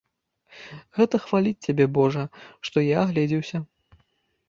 Гэта хваліць цябе, божа, што я агледзеўся.